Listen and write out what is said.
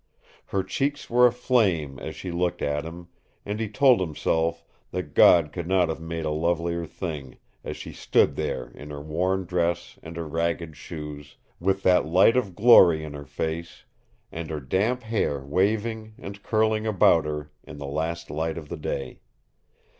Her cheeks were aflame as she looked at him, and he told himself that God could not have made a lovelier thing, as she stood there in her worn dress and her ragged shoes, with that light of glory in her face, and her damp hair waving and curling about her in the last light of the day.